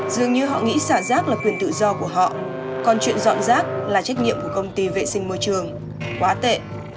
dường như họ nghĩ xả rác là quyền tự do của họ còn chuyện dọn rác là trách nhiệm của công ty vệ sinh môi trường quá tệ